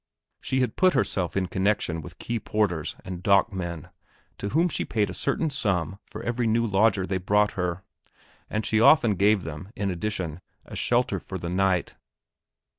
She had put herself in connection with quay porters and dock men, to whom she paid a certain sum for every new lodger they brought her, and she often gave them, in addition, a shelter for the night.